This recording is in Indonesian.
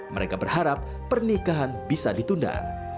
mereka berharap pernikahan bisa ditunda